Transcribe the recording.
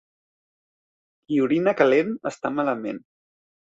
Qui orina calent està malament.